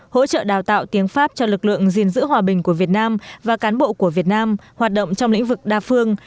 hỗ trợ đào tạo tiếng pháp cho lực lượng gìn giữ hòa bình của việt nam và cán bộ của việt nam hoạt động trong lĩnh vực đa phương